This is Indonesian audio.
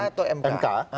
mk atau mk